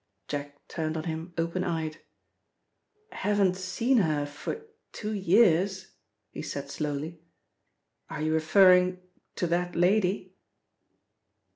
Jack turned on him open eyed. "Haven't seen her for two years," he said slowly. "Are you referring to that lady?"